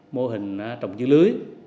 mô hình trồng dưới lưới